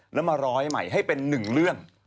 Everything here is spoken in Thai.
แล้วมาร้อยใหม่ให้เป็นหนึ่งเรื่อง